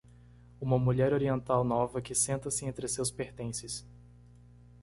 Uma mulher oriental nova que senta-se entre seus pertences.